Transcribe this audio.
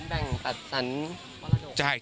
แบ่งตัดสรรมรดก